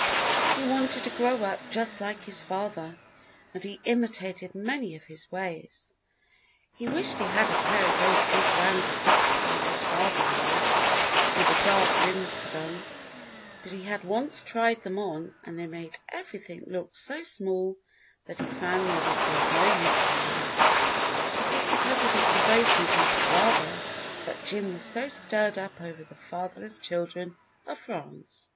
He wanted to grow up just like his father, and he imitated many of his ways. He wished he had a pair of those big round spectacles his father wore, with the dark rims to them, but he had once tried them on and they made everything look so small that he found they would be of no use to him. It was because of his devotion to his father that Jim was so stirred up over the Fatherless Children of France.